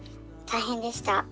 大変でした。